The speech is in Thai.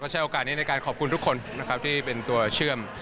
ใช้โอกาสนี้ในการขอบคุณทุกคนนะครับที่เป็นตัวเชื่อม